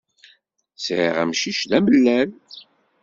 Sɛiɣ amcic d amellal.